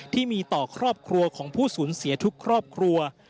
ที่มีต่อครอบครัวของผู้สูญเสียทุกครอบครัว